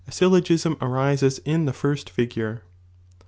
syllogism arises in ibe first fignre.